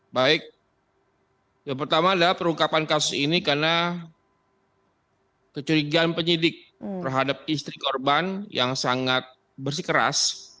baik yang pertama adalah perungkapan kasus ini karena kecurigaan penyidik terhadap istri korban yang sangat bersikeras